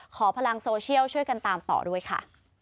พลังโซเชียลช่วยกันตามต่อด้วยค่ะ